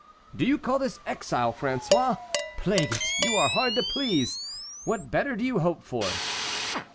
"Do you call this exile, François? Plague it, you are hard to please! What better do you hope for?"